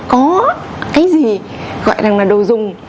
có cái gì gọi là đồ dùng